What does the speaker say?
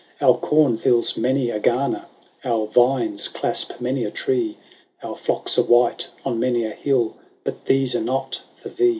Our corn fills many a garner ; Our vines clasp many a tree ; Our flocks are white on many a hill ; But these are not for thee.